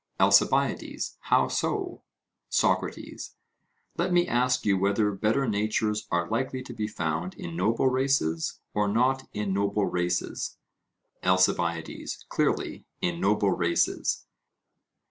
ALCIBIADES: How so? SOCRATES: Let me ask you whether better natures are likely to be found in noble races or not in noble races? ALCIBIADES: Clearly in noble races.